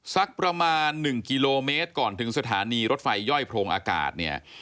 สักประมาณ๑กิโลเมตรก่อนถึงสถานีรถไฟย่อยโพรงอากาศเนี่ย